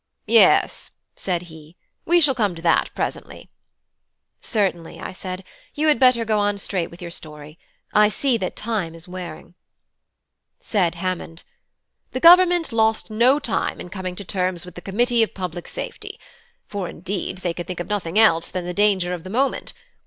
"Yes," said he, "we shall come to that presently." "Certainly," I said, "you had better go on straight with your story. I see that time is wearing." Said Hammond: "The Government lost no time in coming to terms with the Committee of Public Safety; for indeed they could think of nothing else than the danger of the moment.